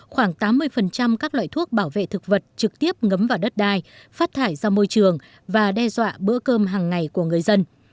khoảng tám mươi các loại thuốc bảo vệ thực vật trực tiếp ngấm vào đất đai phát thải ra môi trường và đe dọa bữa cơm hàng ngày của người dân